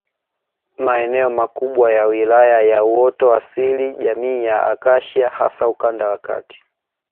Maeneo makubwa ya Wilaya ya uoto asili jamii ya Akashia hasa ukanda wa Kati